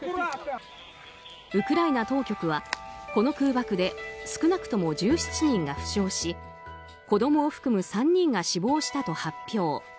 ウクライナ当局は、この空爆で少なくとも１７人が負傷し子供を含む３人が死亡したと発表。